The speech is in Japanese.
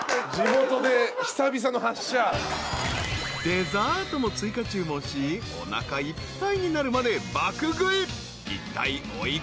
［デザートも追加注文しおなかいっぱいになるまで爆食い。